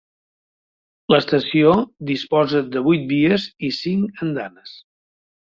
L'estació disposa de vuit vies i cinc andanes.